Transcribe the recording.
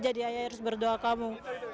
ayah harus berdoa kamu